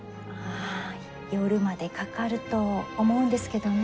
あ夜までかかると思うんですけどね。